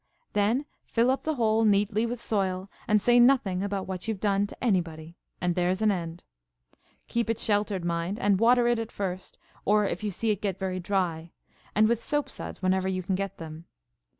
Then fill up the hole neatly with soil, and say nothing about what you've done to anybody, and there's an end. Keep it sheltered, mind, and water it at first, or if you see it get very dry; and with soap suds whenever you can get them.